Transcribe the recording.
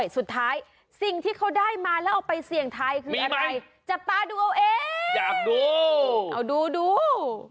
สุดท้ายสิ่งที่เขาได้มาแล้วเอาไปเสี่ยงทายคืออะไร